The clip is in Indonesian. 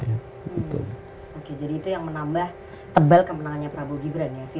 oke jadi itu yang menambah tebal kemenangannya prabowo gibran ya